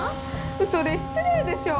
それ失礼でしょ！